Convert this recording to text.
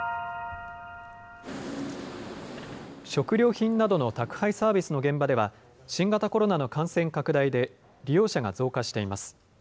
食料品などの宅配サービスの現場では、新型コロナの感染拡大で利用者が増加しています。